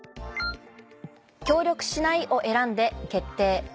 「協力しない」を選んで決定。